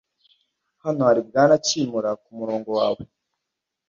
Hano hari Bwana Kimura kumurongo wawe.